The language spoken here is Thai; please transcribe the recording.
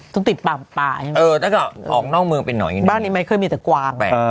ต้องติดป่าป่าใช่มั้ยบ้านนี้เคยมีแต่กวาง